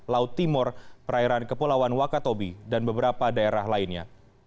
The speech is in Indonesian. laut timur perairan kepulauan wakatobi dan beberapa daerah lainnya